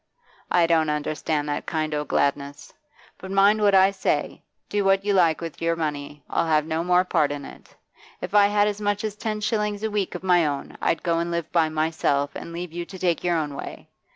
I don't understand that kind o' gladness. But mind what I say; do what you like with your money, I'll have no more part in it. If I had as much as ten shillings a week of my own, I'd go and live by myself, and leave you to take your own way.